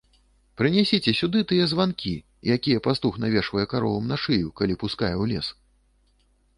Прынясіце сюды тыя званкі, якія пастух навешвае каровам на шыю, калі пускае ў лес.